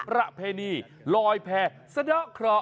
ประเพณีรอยแพรร์เสดาคระ